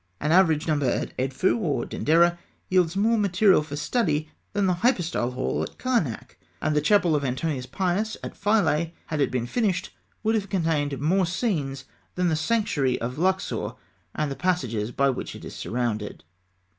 An average chamber of Edfû or Denderah yields more material for study than the hypostyle hall of Karnak; and the chapel of Antoninus Pius at Philae, had it been finished, would have contained more scenes than the sanctuary of Luxor and the passages by which it is surrounded.